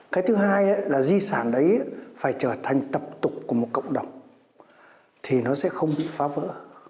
cái thứ hai là di sản đấy phải trở thành tập tục của một cộng đồng thì nó sẽ không bị phá vỡ